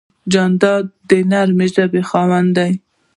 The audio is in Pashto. جانداد د نرمې ژبې خاوند دی.